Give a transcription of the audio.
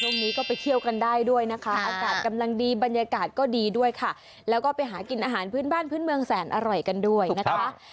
ช่วงนี้ก็ไปเที่ยวกันได้ด้วยนะคะอากาศกำลังดีบรรยากาศก็ดีด้วยค่ะแล้วก็ไปหากินอาหารพื้นบ้านพื้นเมืองแสนอร่อยกันด้วยนะคะ